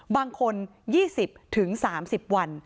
บางคน๒๐๓๐วัน